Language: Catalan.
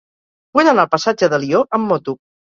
Vull anar al passatge d'Alió amb moto.